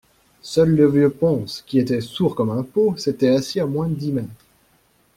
Seul le vieux Pons, qui était sourd comme un pot, s’était assis à moins de dix mètres.